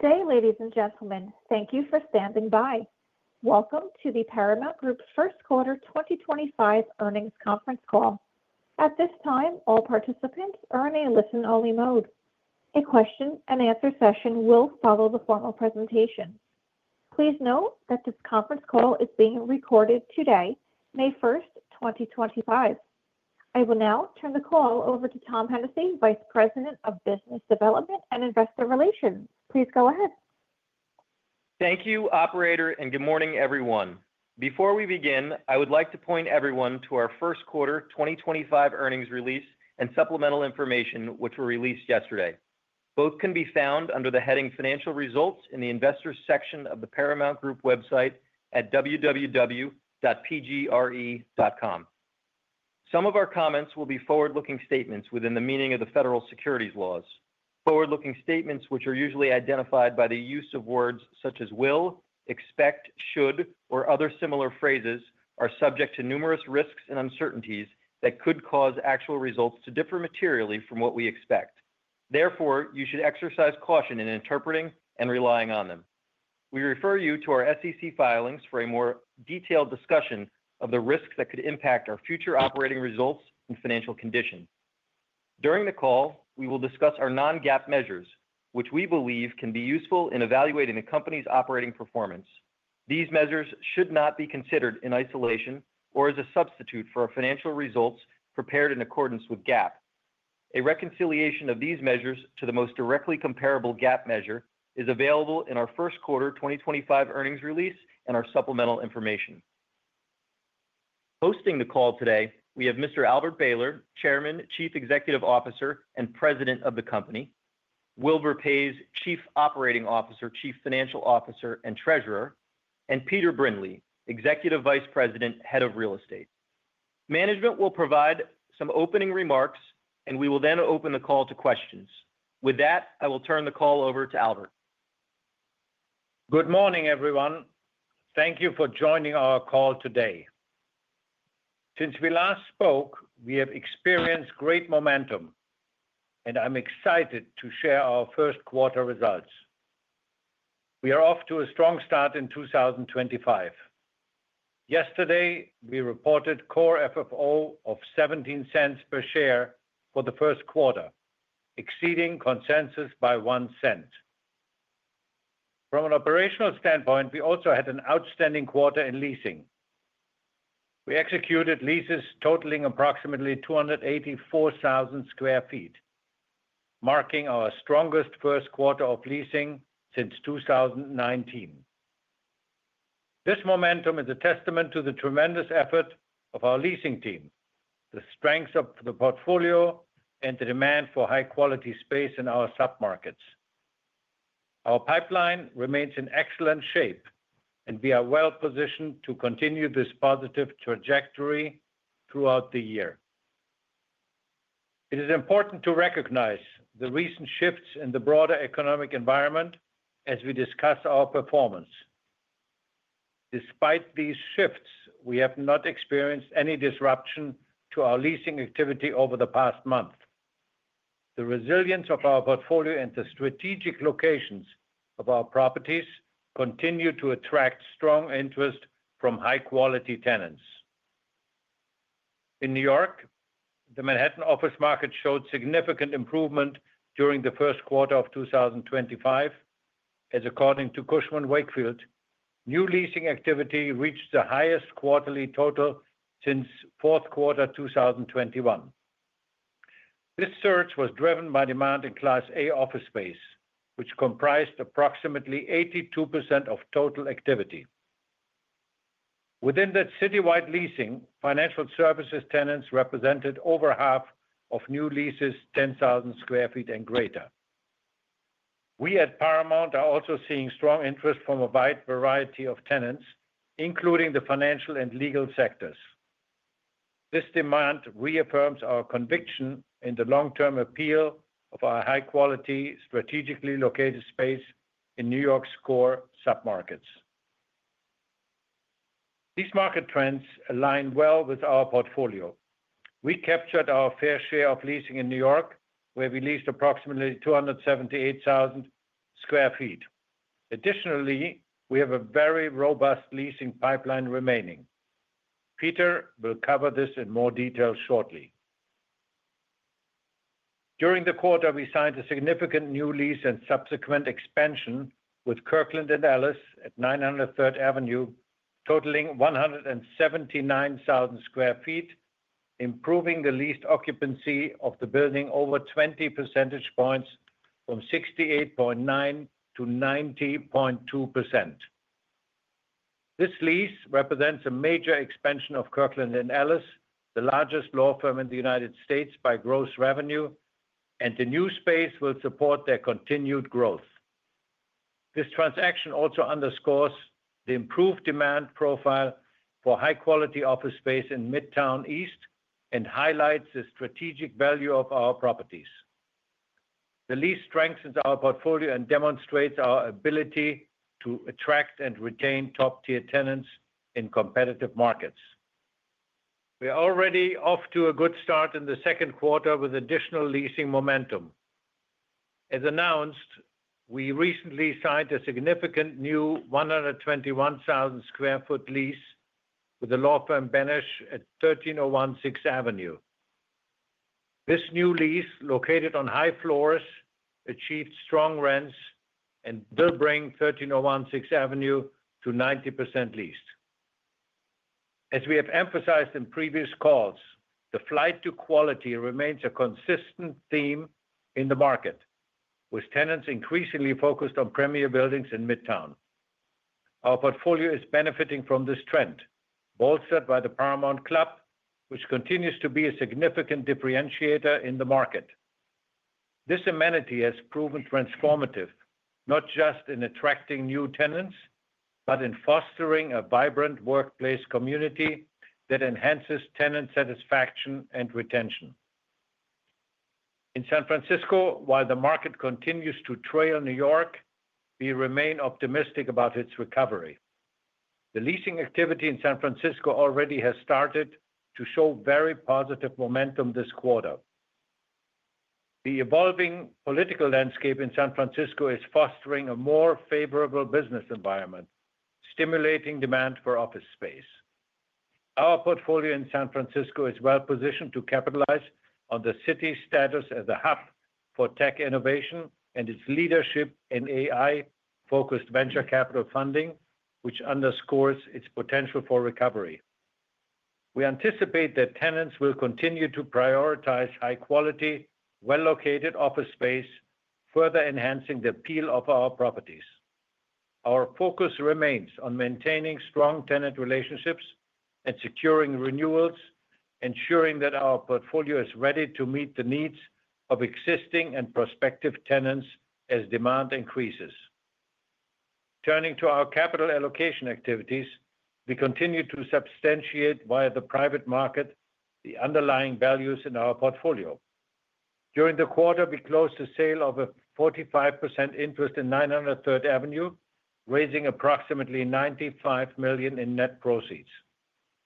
Good day, ladies and gentlemen. Thank you for standing by. Welcome to the Paramount Group first quarter 2025 earnings conference call. At this time, all participants are in a listen-only mode. A question-and-answer session will follow the formal presentation. Please note that this conference call is being recorded today, May 1st, 2025. I will now turn the call over to Tom Hennessy, Vice President of Business Development and Investor Relations. Please go ahead. Thank you, Operator, and good morning, everyone. Before we begin, I would like to point everyone to our first quarter 2025 earnings release and supplemental information, which were released yesterday. Both can be found under the heading Financial Results in the Investors section of the Paramount Group website at www.pgre.com. Some of our comments will be forward-looking statements within the meaning of the federal securities laws. Forward-looking statements, which are usually identified by the use of words such as will, expect, should, or other similar phrases, are subject to numerous risks and uncertainties that could cause actual results to differ materially from what we expect. Therefore, you should exercise caution in interpreting and relying on them. We refer you to our SEC filings for a more detailed discussion of the risks that could impact our future operating results and financial condition. During the call, we will discuss our non-GAAP measures, which we believe can be useful in evaluating a company's operating performance. These measures should not be considered in isolation or as a substitute for financial results prepared in accordance with GAAP. A reconciliation of these measures to the most directly comparable GAAP measure is available in our first quarter 2025 earnings release and our supplemental information. Hosting the call today, we have Mr. Albert Behler, Chairman, Chief Executive Officer, and President of the company; Wilbur Paes, Chief Operating Officer, Chief Financial Officer, and Treasurer; and Peter Brindley, Executive Vice President, Head of Real Estate. Management will provide some opening remarks, and we will then open the call to questions. With that, I will turn the call over to Albert. Good morning, everyone. Thank you for joining our call today. Since we last spoke, we have experienced great momentum, and I'm excited to share our first quarter results. We are off to a strong start in 2025. Yesterday, we reported Core FFO of $0.17 per share for the first quarter, exceeding consensus by $0.01. From an operational standpoint, we also had an outstanding quarter in leasing. We executed leases totaling approximately 284,000 sq ft, marking our strongest first quarter of leasing since 2019. This momentum is a testament to the tremendous effort of our leasing team, the strength of the portfolio, and the demand for high-quality space in our submarkets. Our pipeline remains in excellent shape, and we are well positioned to continue this positive trajectory throughout the year. It is important to recognize the recent shifts in the broader economic environment as we discuss our performance. Despite these shifts, we have not experienced any disruption to our leasing activity over the past month. The resilience of our portfolio and the strategic locations of our properties continue to attract strong interest from high-quality tenants. In New York, the Manhattan office market showed significant improvement during the first quarter of 2025, as according to Cushman & Wakefield, new leasing activity reached the highest quarterly total since the fourth quarter of 2021. This surge was driven by demand in Class A office space, which comprised approximately 82% of total activity. Within that citywide leasing, financial services tenants represented over half of new leases, 10,000 sq ft and greater. We at Paramount are also seeing strong interest from a wide variety of tenants, including the financial and legal sectors. This demand reaffirms our conviction in the long-term appeal of our high-quality, strategically located space in New York's core submarkets. These market trends align well with our portfolio. We captured our fair share of leasing in New York, where we leased approximately 278,000 sq ft. Additionally, we have a very robust leasing pipeline remaining. Peter will cover this in more detail shortly. During the quarter, we signed a significant new lease and subsequent expansion with Kirkland & Ellis at 900 Third Avenue, totaling 179,000 sq ft, improving the leased occupancy of the building over 20 percentage points from 68.9% to 90.2%. This lease represents a major expansion of Kirkland & Ellis, the largest law firm in the United States by gross revenue, and the new space will support their continued growth. This transaction also underscores the improved demand profile for high-quality office space in Midtown East and highlights the strategic value of our properties. The lease strengthens our portfolio and demonstrates our ability to attract and retain top-tier tenants in competitive markets. We are already off to a good start in the second quarter with additional leasing momentum. As announced, we recently signed a significant new 121,000 sq ft lease with the law firm Benesch at 1301 Sixth Avenue. This new lease, located on high floors, achieved strong rents and will bring 1301 Sixth Avenue to 90% leased. As we have emphasized in previous calls, the flight to quality remains a consistent theme in the market, with tenants increasingly focused on premier buildings in Midtown. Our portfolio is benefiting from this trend, bolstered by the Paramount Club, which continues to be a significant differentiator in the market. This amenity has proven transformative, not just in attracting new tenants, but in fostering a vibrant workplace community that enhances tenant satisfaction and retention. In San Francisco, while the market continues to trail New York, we remain optimistic about its recovery. The leasing activity in San Francisco already has started to show very positive momentum this quarter. The evolving political landscape in San Francisco is fostering a more favorable business environment, stimulating demand for office space. Our portfolio in San Francisco is well positioned to capitalize on the city's status as a hub for tech innovation and its leadership in AI-focused venture capital funding, which underscores its potential for recovery. We anticipate that tenants will continue to prioritize high-quality, well-located office space, further enhancing the appeal of our properties. Our focus remains on maintaining strong tenant relationships and securing renewals, ensuring that our portfolio is ready to meet the needs of existing and prospective tenants as demand increases. Turning to our capital allocation activities, we continue to substantiate via the private market the underlying values in our portfolio. During the quarter, we closed a sale of a 45% interest in 900 Third Avenue, raising approximately $95 million in net proceeds.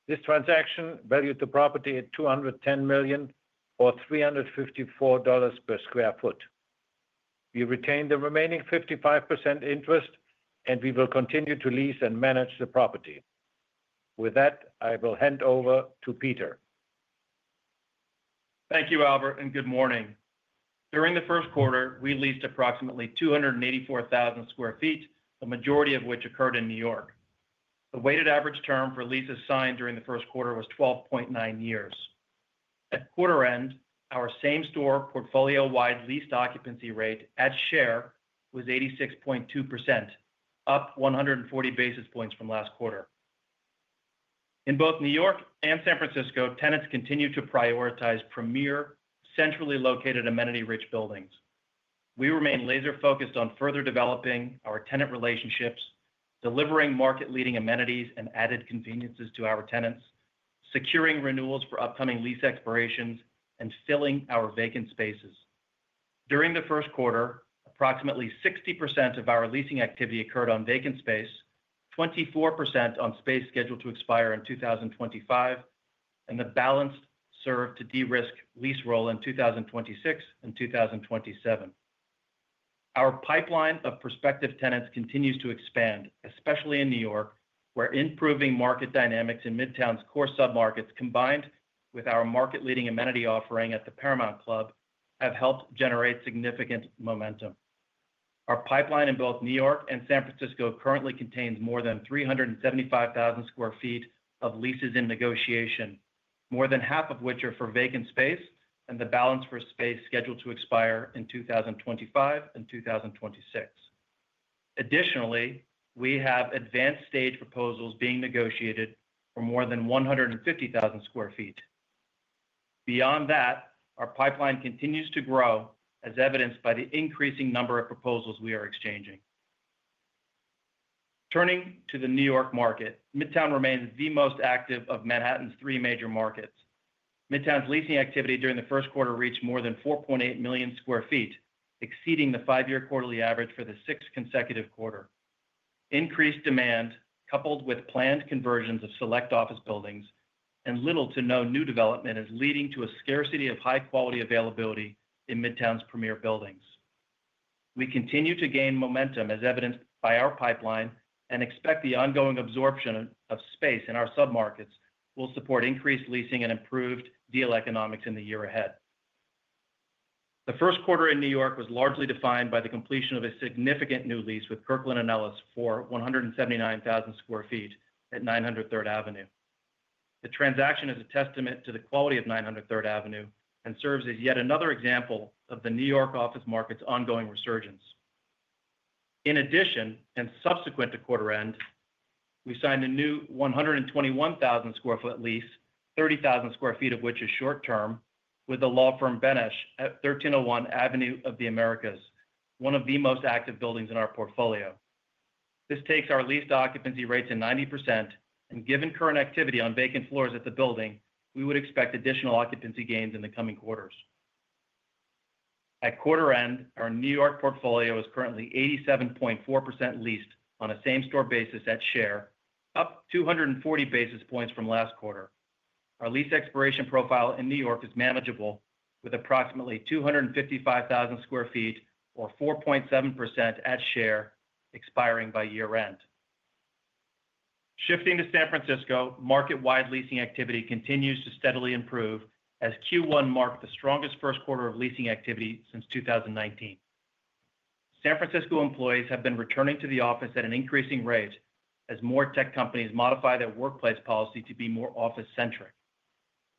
This transaction valued the property at $210 million or $354 per sq ft. We retained the remaining 55% interest, and we will continue to lease and manage the property. With that, I will hand over to Peter. Thank you, Albert, and good morning. During the first quarter, we leased approximately 284,000 sq ft, the majority of which occurred in New York. The weighted average term for leases signed during the first quarter was 12.9 years. At quarter end, our same-store portfolio-wide leased occupancy rate at share was 86.2%, up 140 basis points from last quarter. In both New York and San Francisco, tenants continue to prioritize premier, centrally located amenity-rich buildings. We remain laser-focused on further developing our tenant relationships, delivering market-leading amenities and added conveniences to our tenants, securing renewals for upcoming lease expirations, and filling our vacant spaces. During the first quarter, approximately 60% of our leasing activity occurred on vacant space, 24% on space scheduled to expire in 2025, and the balance served to de-risk lease roll in 2026 and 2027. Our pipeline of prospective tenants continues to expand, especially in New York, where improving market dynamics in Midtown's core submarkets, combined with our market-leading amenity offering at the Paramount Club, have helped generate significant momentum. Our pipeline in both New York and San Francisco currently contains more than 375,000 sq ft of leases in negotiation, more than half of which are for vacant space and the balance for space scheduled to expire in 2025 and 2026. Additionally, we have advanced stage proposals being negotiated for more than 150,000 sq ft. Beyond that, our pipeline continues to grow, as evidenced by the increasing number of proposals we are exchanging. Turning to the New York market, Midtown remains the most active of Manhattan's three major markets. Midtown's leasing activity during the first quarter reached more than 4.8 million sq ft, exceeding the five-year quarterly average for the sixth consecutive quarter. Increased demand, coupled with planned conversions of select office buildings, and little to no new development, is leading to a scarcity of high-quality availability in Midtown's premier buildings. We continue to gain momentum, as evidenced by our pipeline, and expect the ongoing absorption of space in our submarkets will support increased leasing and improved deal economics in the year ahead. The first quarter in New York was largely defined by the completion of a significant new lease with Kirkland & Ellis for 179,000 sq ft at 900 Third Avenue. The transaction is a testament to the quality of 900 Third Avenue and serves as yet another example of the New York office market's ongoing resurgence. In addition, subsequent to quarter end, we signed a new 121,000 sq ft lease, 30,000 sq ft of which is short-term, with the law firm Benesch at 1301 Avenue of the Americas, one of the most active buildings in our portfolio. This takes our leased occupancy rates to 90%, and given current activity on vacant floors at the building, we would expect additional occupancy gains in the coming quarters. At quarter end, our New York portfolio is currently 87.4% leased on a same-store basis at share, up 240 basis points from last quarter. Our lease expiration profile in New York is manageable, with approximately 255,000 sq ft or 4.7% at share expiring by year-end. Shifting to San Francisco, market-wide leasing activity continues to steadily improve as Q1 marked the strongest first quarter of leasing activity since 2019. San Francisco employees have been returning to the office at an increasing rate as more tech companies modify their workplace policy to be more office-centric.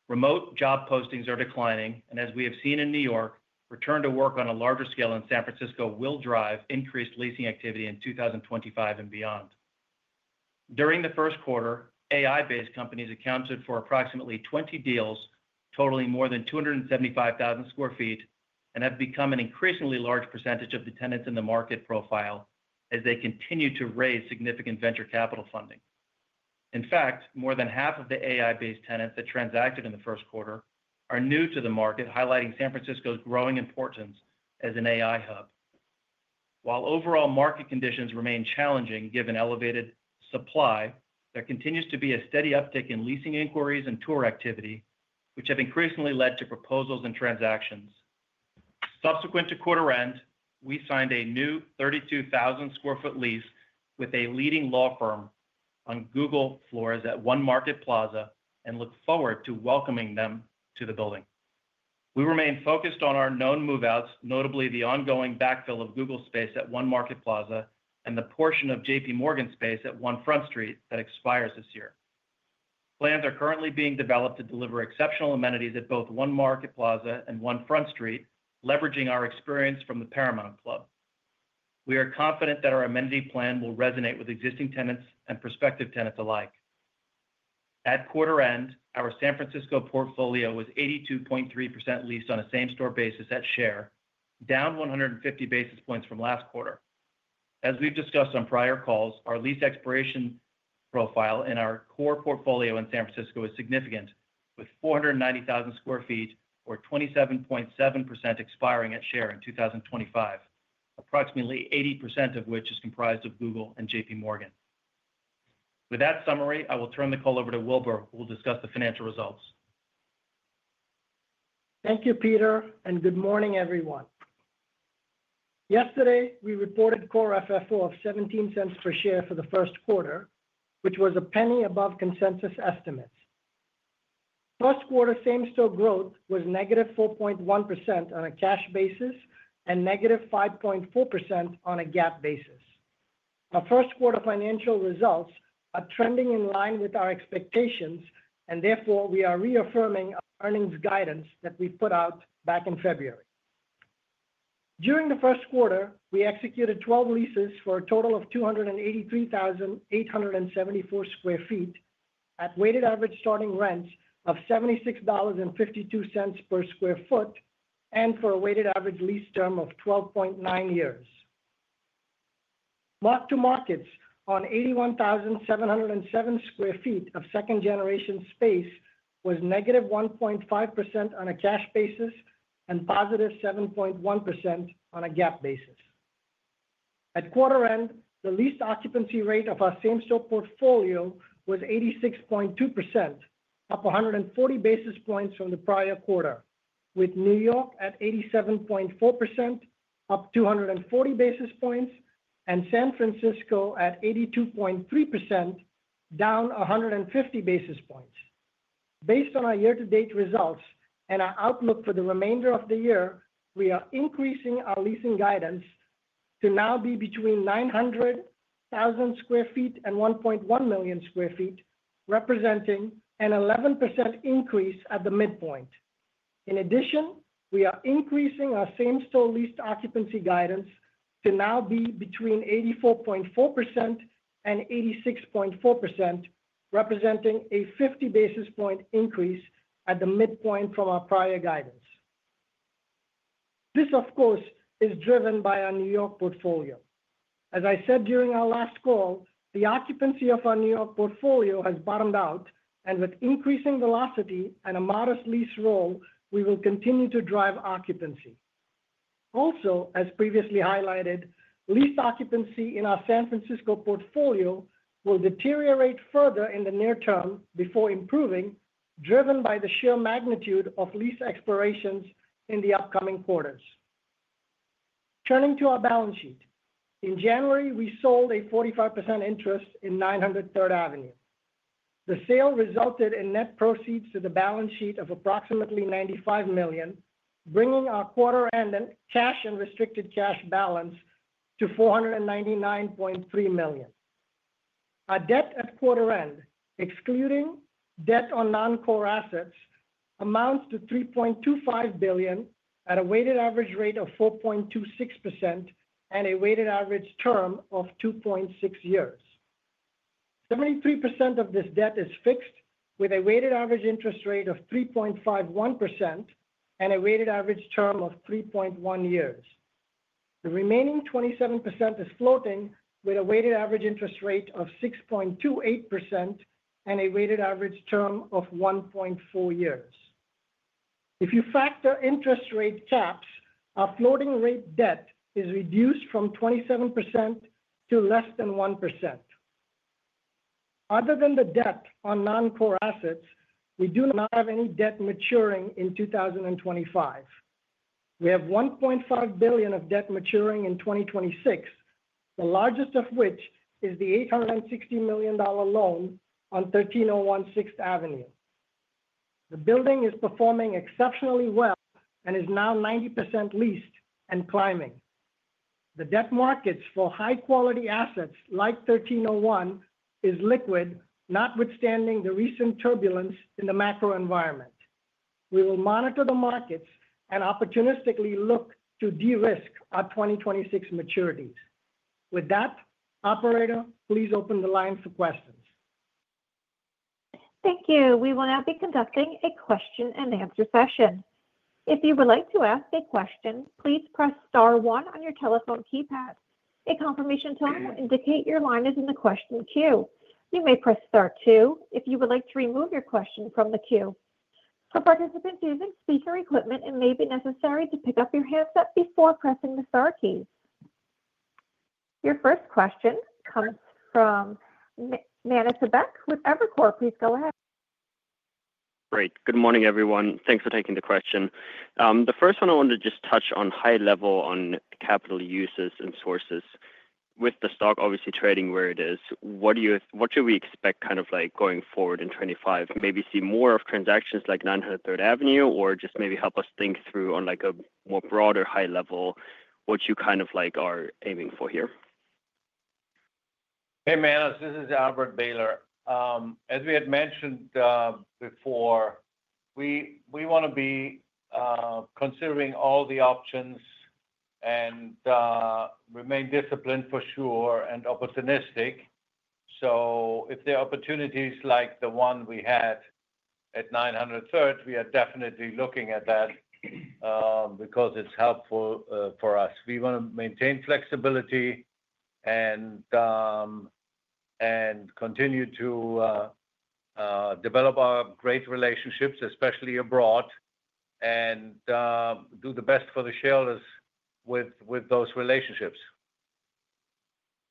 Remote job postings are declining, and as we have seen in New York, return to work on a larger scale in San Francisco will drive increased leasing activity in 2025 and beyond. During the first quarter, AI-based companies accounted for approximately 20 deals totaling more than 275,000 sq ft and have become an increasingly large percentage of the tenants in the market profile as they continue to raise significant venture capital funding. In fact, more than half of the AI-based tenants that transacted in the first quarter are new to the market, highlighting San Francisco's growing importance as an AI hub. While overall market conditions remain challenging given elevated supply, there continues to be a steady uptick in leasing inquiries and tour activity, which have increasingly led to proposals and transactions. Subsequent to quarter end, we signed a new 32,000 sq ft lease with a leading law firm on Google floors at One Market Plaza and look forward to welcoming them to the building. We remain focused on our known move-outs, notably the ongoing backfill of Google space at One Market Plaza and the portion of J.P. Morgan space at One Front Street that expires this year. Plans are currently being developed to deliver exceptional amenities at both One Market Plaza and One Front Street, leveraging our experience from the Paramount Club. We are confident that our amenity plan will resonate with existing tenants and prospective tenants alike. At quarter end, our San Francisco portfolio was 82.3% leased on a same-store basis at share, down 150 basis points from last quarter. As we've discussed on prior calls, our lease expiration profile in our core portfolio in San Francisco is significant, with 490,000 sq ft or 27.7% expiring at share in 2025, approximately 80% of which is comprised of Google and J.P. Morgan. With that summary, I will turn the call over to Wilbur, who will discuss the financial results. Thank you, Peter, and good morning, everyone. Yesterday, we reported Core FFO of $0.17 per share for the first quarter, which was a penny above consensus estimates. First quarter same-store growth was -4.1% on a cash basis and -5.4% on a GAAP basis. Our first quarter financial results are trending in line with our expectations, and therefore, we are reaffirming earnings guidance that we put out back in February. During the first quarter, we executed 12 leases for a total of 283,874 sq ft at weighted average starting rents of $76.52 per sq ft and for a weighted average lease term of 12.9 years. Mark-to-markets on 81,707 sq ft of second-generation space was -1.5% on a cash basis and +7.1% on a GAAP basis. At quarter end, the leased occupancy rate of our same-store portfolio was 86.2%, up 140 basis points from the prior quarter, with New York at 87.4%, up 240 basis points, and San Francisco at 82.3%, down 150 basis points. Based on our year-to-date results and our outlook for the remainder of the year, we are increasing our leasing guidance to now be between 900,000 sq ft and 1.1 million sq ft, representing an 11% increase at the midpoint. In addition, we are increasing our same-store leased occupancy guidance to now be between 84.4% and 86.4%, representing a 50 basis point increase at the midpoint from our prior guidance. This, of course, is driven by our New York portfolio. As I said during our last call, the occupancy of our New York portfolio has bottomed out, and with increasing velocity and a modest lease roll, we will continue to drive occupancy. Also, as previously highlighted, leased occupancy in our San Francisco portfolio will deteriorate further in the near term before improving, driven by the sheer magnitude of lease expirations in the upcoming quarters. Turning to our balance sheet, in January, we sold a 45% interest in 900 Third Avenue. The sale resulted in net proceeds to the balance sheet of approximately $95 million, bringing our quarter-end cash and restricted cash balance to $499.3 million. Our debt at quarter end, excluding debt on non-core assets, amounts to $3.25 billion at a weighted average rate of 4.26% and a weighted average term of 2.6 years. 73% of this debt is fixed with a weighted average interest rate of 3.51% and a weighted average term of 3.1 years. The remaining 27% is floating with a weighted average interest rate of 6.28% and a weighted average term of 1.4 years. If you factor interest rate caps, our floating rate debt is reduced from 27% to less than 1%. Other than the debt on non-core assets, we do not have any debt maturing in 2025. We have $1.5 billion of debt maturing in 2026, the largest of which is the $860 million loan on 1301 Sixth Avenue. The building is performing exceptionally well and is now 90% leased and climbing. The debt markets for high-quality assets like 1301 is liquid, notwithstanding the recent turbulence in the macro environment. We will monitor the markets and opportunistically look to de-risk our 2026 maturities. With that, Operator, please open the line for questions. Thank you. We will now be conducting a question-and-answer session. If you would like to ask a question, please press star one on your telephone keypad. A confirmation tone will indicate your line is in the question queue. You may press star two if you would like to remove your question from the queue. For participants using speaker equipment, it may be necessary to pick up your handset before pressing the star key. Your first question comes from Manus Ebbecke with Evercore. Please go ahead. Great. Good morning, everyone. Thanks for taking the question. The first one I wanted to just touch on high level on capital uses and sources with the stock obviously trading where it is. What should we expect kind of like going forward in 2025? Maybe see more of transactions like 900 Third Avenue or just maybe help us think through on like a more broader high level what you kind of like are aiming for here? Hey, Manny. This is Albert Behler. As we had mentioned before, we want to be considering all the options and remain disciplined for sure and opportunistic. If there are opportunities like the one we had at 900 Third, we are definitely looking at that because it's helpful for us. We want to maintain flexibility and continue to develop our great relationships, especially abroad, and do the best for the shareholders with those relationships.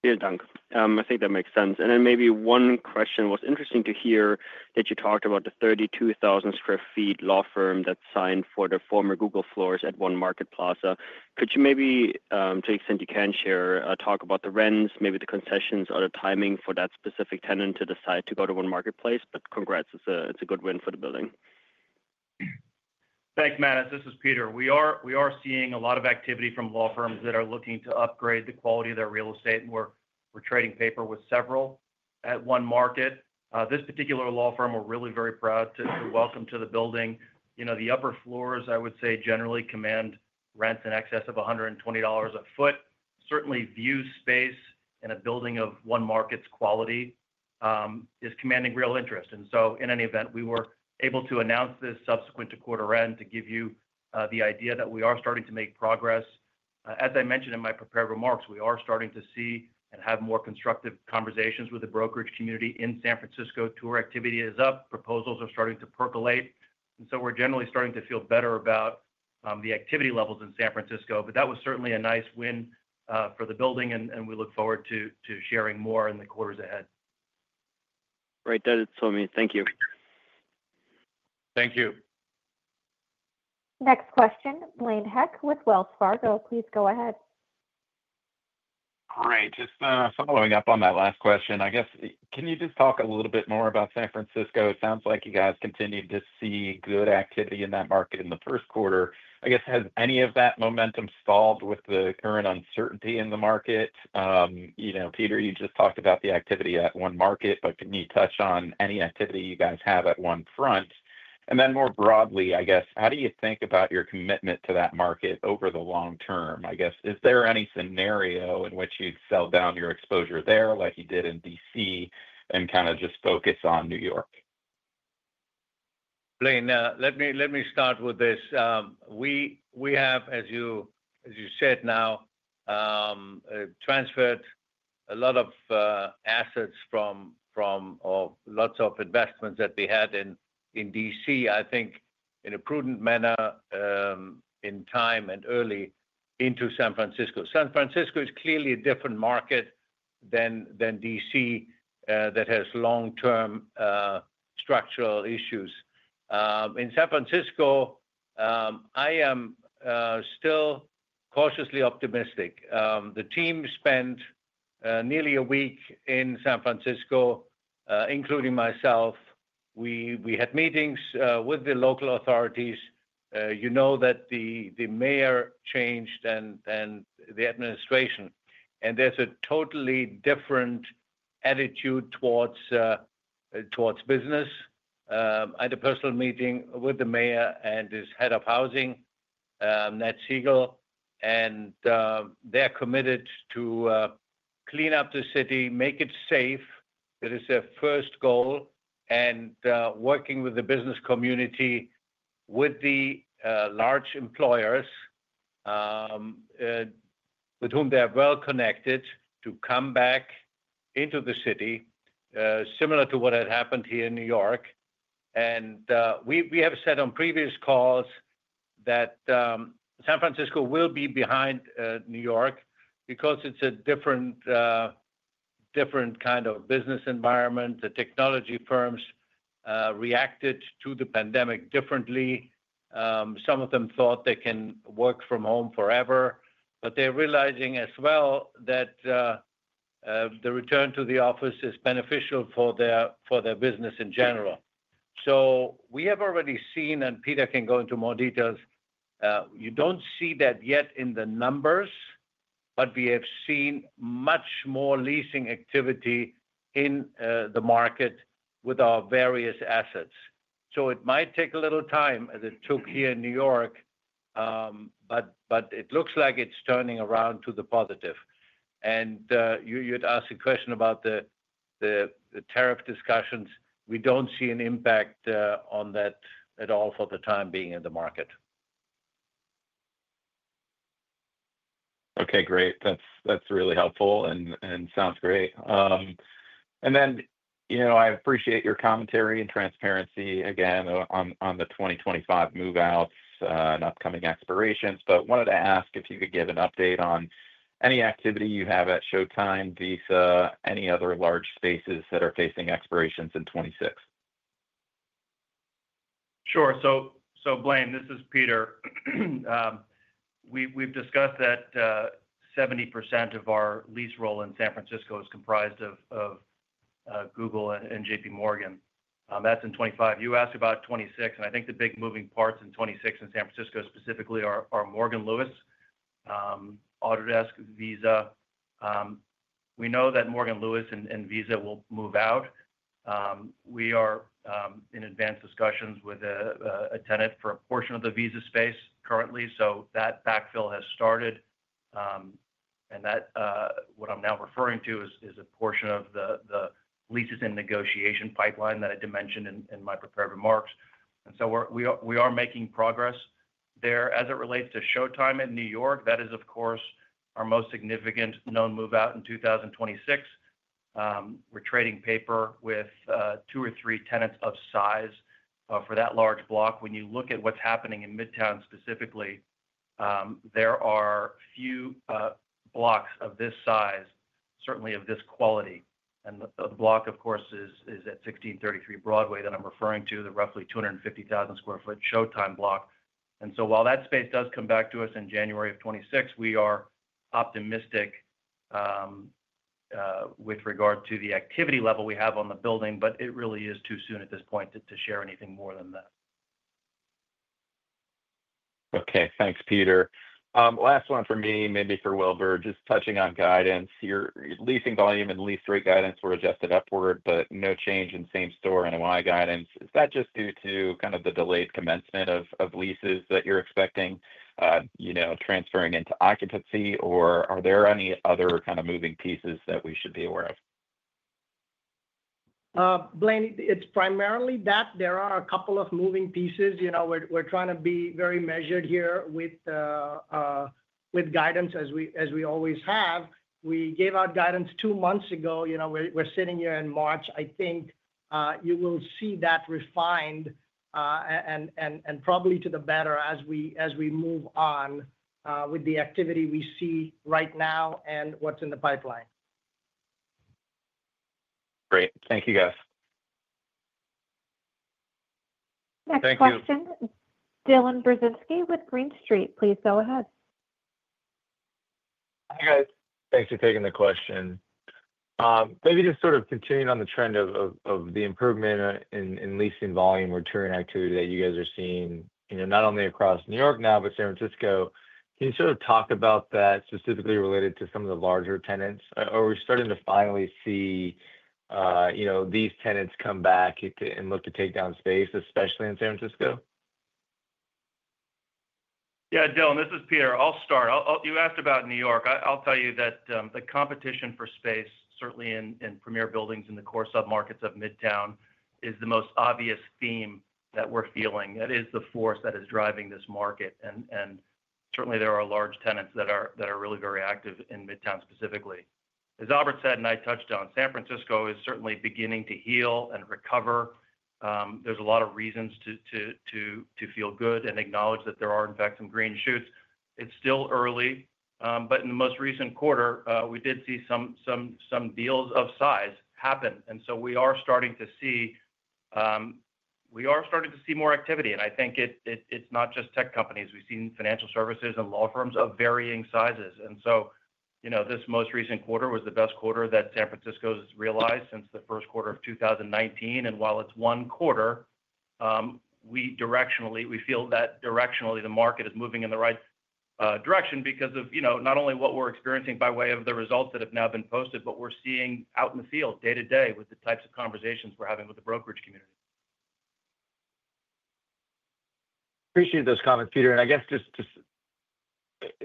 I think that makes sense. Maybe one question. What's interesting to hear that you talked about the 32,000 sq ft law firm that signed for the former Google floors at One Market Plaza. Could you maybe, to the extent you can, share a talk about the rents, maybe the concessions, or the timing for that specific tenant to decide to go to One Market Plaza? Congrats. It's a good win for the building. Thank you, Manus. This is Peter. We are seeing a lot of activity from law firms that are looking to upgrade the quality of their real estate. We're trading paper with several at One Market. This particular law firm, we're really very proud to welcome to the building. The upper floors, I would say, generally command rents in excess of $120 a foot. Certainly, view space in a building of One Market's quality is commanding real interest. In any event, we were able to announce this subsequent to quarter end to give you the idea that we are starting to make progress. As I mentioned in my prepared remarks, we are starting to see and have more constructive conversations with the brokerage community in San Francisco. Tour activity is up. Proposals are starting to percolate. We are generally starting to feel better about the activity levels in San Francisco. That was certainly a nice win for the building, and we look forward to sharing more in the quarters ahead. Great. That is so amazing. Thank you. Thank you. Next question, Blaine Heck with Wells Fargo. Please go ahead. All right. Just following up on that last question, I guess, can you just talk a little bit more about San Francisco? It sounds like you guys continued to see good activity in that market in the first quarter. I guess, has any of that momentum stalled with the current uncertainty in the market? Peter, you just talked about the activity at One Market, but can you touch on any activity you guys have at One Front? And then more broadly, I guess, how do you think about your commitment to that market over the long term? I guess, is there any scenario in which you'd sell down your exposure there like you did in D.C. and kind of just focus on New York? Blaine, let me start with this. We have, as you said, now transferred a lot of assets from lots of investments that we had in D.C., I think, in a prudent manner in time and early into San Francisco. San Francisco is clearly a different market than D.C. that has long-term structural issues. In San Francisco, I am still cautiously optimistic. The team spent nearly a week in San Francisco, including myself. We had meetings with the local authorities. You know that the mayor changed and the administration. There is a totally different attitude towards business. I had a personal meeting with the mayor and his head of housing, Nat Segal, and they are committed to clean up the city, make it safe. That is their first goal. Working with the business community, with the large employers with whom they are well connected, to come back into the city, similar to what had happened here in New York. We have said on previous calls that San Francisco will be behind New York because it's a different kind of business environment. The technology firms reacted to the pandemic differently. Some of them thought they can work from home forever, but they're realizing as well that the return to the office is beneficial for their business in general. We have already seen, and Peter can go into more details. You don't see that yet in the numbers, but we have seen much more leasing activity in the market with our various assets. It might take a little time as it took here in New York, but it looks like it's turning around to the positive. You had asked a question about the tariff discussions. We do not see an impact on that at all for the time being in the market. Okay. Great. That's really helpful and sounds great. I appreciate your commentary and transparency again on the 2025 move-outs and upcoming expirations, but wanted to ask if you could give an update on any activity you have at Showtime, Visa, any other large spaces that are facing expirations in 2026. Sure. Blaine, this is Peter. We have discussed that 70% of our lease roll in San Francisco is comprised of Google and J.P. Morgan. That is in 2025. You asked about 2026, and I think the big moving parts in 2026 in San Francisco specifically are Morgan Lewis, Autodesk, and Visa. We know that Morgan Lewis and Visa will move out. We are in advanced discussions with a tenant for a portion of the Visa space currently. That backfill has started. What I am now referring to is a portion of the leases in the negotiation pipeline that I did mention in my prepared remarks. We are making progress there. As it relates to Showtime in New York, that is, of course, our most significant known move-out in 2026. We are trading paper with two or three tenants of size for that large block. When you look at what's happening in Midtown specifically, there are few blocks of this size, certainly of this quality. The block, of course, is at 1633 Broadway that I'm referring to, the roughly 250,000 sq ft Showtime block. While that space does come back to us in January of 2026, we are optimistic with regard to the activity level we have on the building, but it really is too soon at this point to share anything more than that. Okay. Thanks, Peter. Last one for me, maybe for Wilbur, just touching on guidance. Your leasing volume and lease rate guidance were adjusted upward, but no change in same store NY guidance. Is that just due to kind of the delayed commencement of leases that you're expecting transferring into occupancy, or are there any other kind of moving pieces that we should be aware of? Blaine, it's primarily that. There are a couple of moving pieces. We're trying to be very measured here with guidance as we always have. We gave out guidance two months ago. We're sitting here in March. I think you will see that refined and probably to the better as we move on with the activity we see right now and what's in the pipeline. Great. Thank you, guys. Next question, Dylan Burzinski with Green Street. Please go ahead. Hi, guys. Thanks for taking the question. Maybe just sort of continuing on the trend of the improvement in leasing volume returning activity that you guys are seeing not only across New York now, but San Francisco. Can you sort of talk about that specifically related to some of the larger tenants? Are we starting to finally see these tenants come back and look to take down space, especially in San Francisco? Yeah, Dylan, this is Peter. I'll start. You asked about New York. I'll tell you that the competition for space, certainly in premier buildings in the core submarkets of Midtown, is the most obvious theme that we're feeling. That is the force that is driving this market. Certainly, there are large tenants that are really very active in Midtown specifically. As Albert said and I touched on, San Francisco is certainly beginning to heal and recover. There's a lot of reasons to feel good and acknowledge that there are, in fact, some green shoots. It's still early, but in the most recent quarter, we did see some deals of size happen. We are starting to see more activity. I think it's not just tech companies. We've seen financial services and law firms of varying sizes. This most recent quarter was the best quarter that San Francisco has realized since the first quarter of 2019. While it is one quarter, we feel that directionally the market is moving in the right direction because of not only what we are experiencing by way of the results that have now been posted, but what we are seeing out in the field day to day with the types of conversations we are having with the brokerage community. Appreciate those comments, Peter. I guess just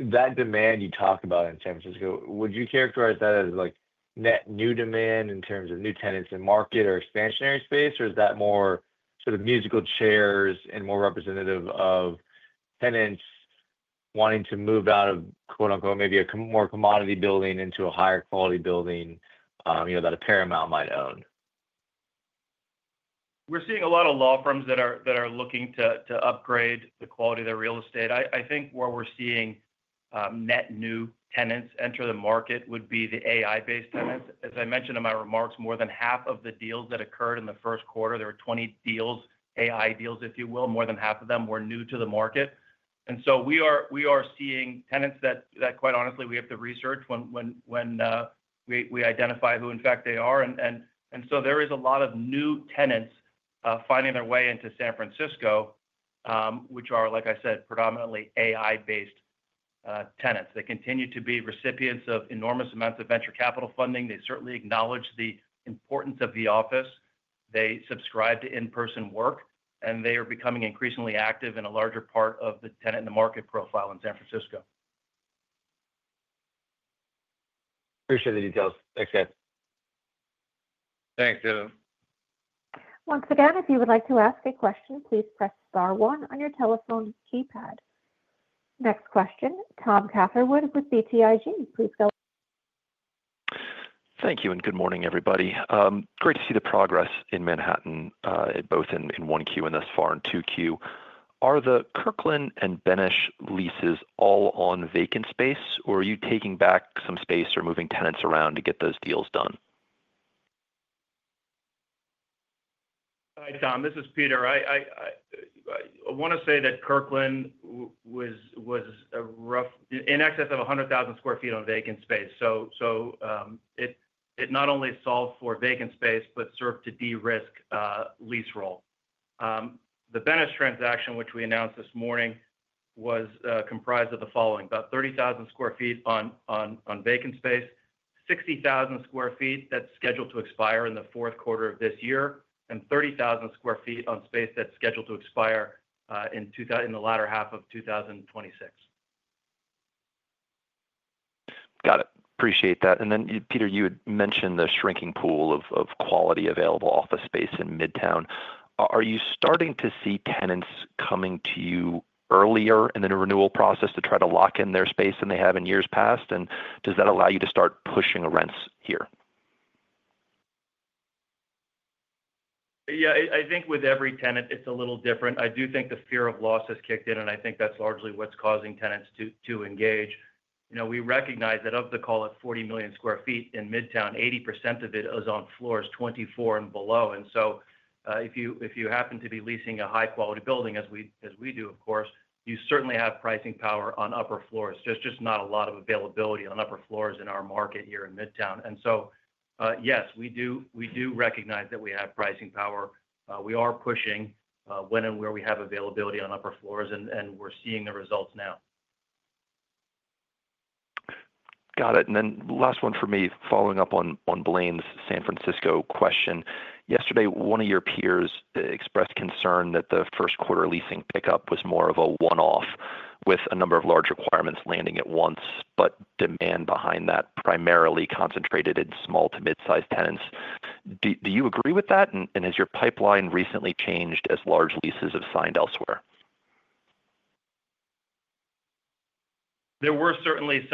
that demand you talk about in San Francisco, would you characterize that as net new demand in terms of new tenants in market or expansionary space, or is that more sort of musical chairs and more representative of tenants wanting to move out of, quote-unquote, maybe a more commodity building into a higher quality building that a Paramount might own? We're seeing a lot of law firms that are looking to upgrade the quality of their real estate. I think where we're seeing net new tenants enter the market would be the AI-based tenants. As I mentioned in my remarks, more than half of the deals that occurred in the first quarter, there were 20 deals, AI deals, if you will. More than half of them were new to the market. We are seeing tenants that, quite honestly, we have to research when we identify who, in fact, they are. There is a lot of new tenants finding their way into San Francisco, which are, like I said, predominantly AI-based tenants. They continue to be recipients of enormous amounts of venture capital funding. They certainly acknowledge the importance of the office. They subscribe to in-person work, and they are becoming increasingly active in a larger part of the tenant and the market profile in San Francisco. Appreciate the details. Thanks, guys. Thanks, Dylan. Once again, if you would like to ask a question, please press star one on your telephone keypad. Next question, Tom Catherwood with BTIG. Please go. Thank you and good morning, everybody. Great to see the progress in Manhattan, both in 1Q and thus far in 2Q. Are the Kirkland and Benesch leases all on vacant space, or are you taking back some space or moving tenants around to get those deals done? Hi, Tom. This is Peter. I want to say that Kirkland was a rough in excess of 100,000 sq ft on vacant space. It not only solved for vacant space, but served to de-risk lease roll. The Benesch transaction, which we announced this morning, was comprised of the following: about 30,000 sq ft on vacant space, 60,000 sq ft that is scheduled to expire in the fourth quarter of this year, and 30,000 sq ft on space that is scheduled to expire in the latter half of 2026. Got it. Appreciate that. Peter, you had mentioned the shrinking pool of quality available office space in Midtown. Are you starting to see tenants coming to you earlier in the renewal process to try to lock in their space than they have in years past? Does that allow you to start pushing rents here? Yeah. I think with every tenant, it's a little different. I do think the fear of loss has kicked in, and I think that's largely what's causing tenants to engage. We recognize that of the, call it, 40 million sq ft in Midtown, 80% of it is on floors 24 and below. If you happen to be leasing a high-quality building, as we do, of course, you certainly have pricing power on upper floors. There's just not a lot of availability on upper floors in our market here in Midtown. Yes, we do recognize that we have pricing power. We are pushing when and where we have availability on upper floors, and we're seeing the results now. Got it. Last one for me, following up on Blaine's San Francisco question. Yesterday, one of your peers expressed concern that the first quarter leasing pickup was more of a one-off with a number of large requirements landing at once, but demand behind that primarily concentrated in small to mid-sized tenants. Do you agree with that? Has your pipeline recently changed as large leases have signed elsewhere? There were certainly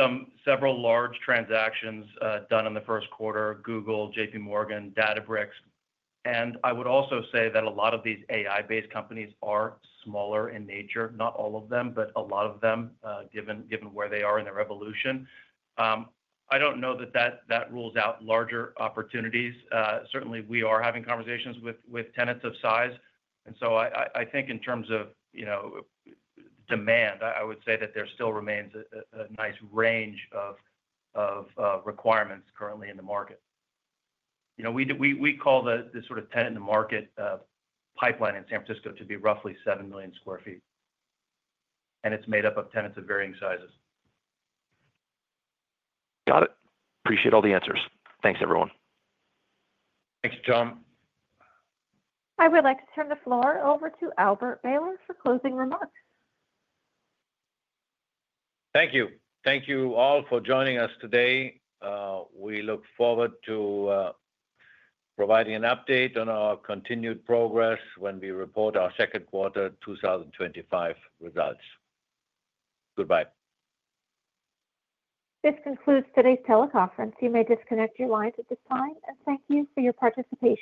several large transactions done in the first quarter: Google, J.P. Morgan, Databricks. I would also say that a lot of these AI-based companies are smaller in nature. Not all of them, but a lot of them, given where they are in their evolution. I don't know that that rules out larger opportunities. Certainly, we are having conversations with tenants of size. I think in terms of demand, I would say that there still remains a nice range of requirements currently in the market. We call the sort of tenant-in-the-market pipeline in San Francisco to be roughly 7 million sq ft. It is made up of tenants of varying sizes. Got it. Appreciate all the answers. Thanks, everyone. Thanks, Tom. I would like to turn the floor over to Albert Behler for closing remarks. Thank you. Thank you all for joining us today. We look forward to providing an update on our continued progress when we report our second quarter 2025 results. Goodbye. This concludes today's teleconference. You may disconnect your lines at this time. Thank you for your participation.